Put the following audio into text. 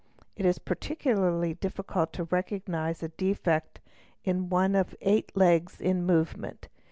It is particularly difficult to recognise a defect in one of eight legs in movement.